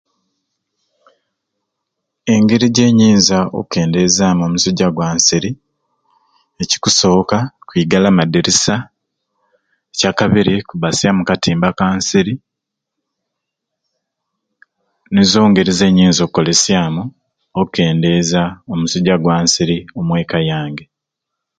Engeri gyenyiza okendezamu omusujja gwa nsiri ekiusooka kwigala madirisa eyakabiri kubasya mu katimba ka nsiri nizo ngeri zenyinza okolesyamu okendeza omusujja gwa nsiri omweka yange